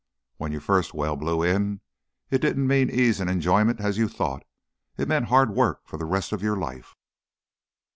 When your first well blew in, it didn't mean ease and enjoyment, as you thought; it meant hard work for the rest of your life."